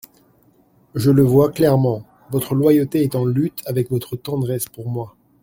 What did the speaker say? Je le vois clairement … Votre loyauté est en lutte avec votre tendresse pour moi.